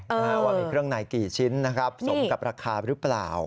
ว่ามีเครื่องในกี่ชิ้นนะครับสมกับราคาหรือเปล่า